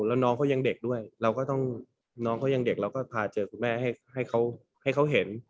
แล้วน้องเขายังเด็กด้วยเราก็ต้องน้องเขายังเด็กเราก็พาเจอคุณแม่ให้เขาเห็น